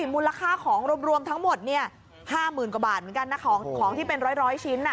มูลค่าของรวมทั้งหมด๕หมื่นกว่าบาทของที่เป็นร้อยชิ้น